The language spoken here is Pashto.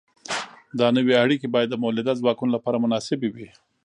دا نوې اړیکې باید د مؤلده ځواکونو لپاره مناسبې وي.